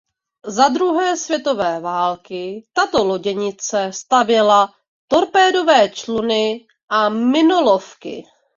Za druhé světové války tato loděnice stavěla torpédové čluny a minolovky.